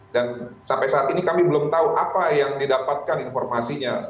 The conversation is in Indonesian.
dan sampai saat ini kami belum tahu apa yang didapatkan informasinya